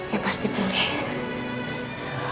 ya pasti pulih